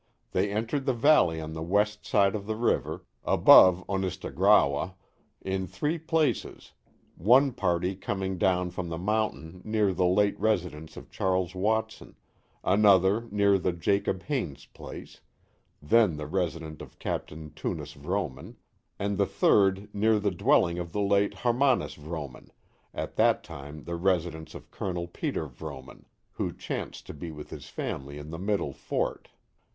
They entered the valley on the west side of the river, above Onistagrawa, in three places; one party coming down from the mountain near the late residence of Charles Watson; another near the Jacob Haines place, then the residence of Capt. Tunis Vrooman; and the third near the dwelling of the late Harmanus Vrooman, at that time the residence of Col. Peter Vrooman, who chanced to be with his family in the middle fort.